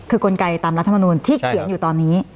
คือกลไกตามรัฐมนูลที่เขียนอยู่ตอนนี้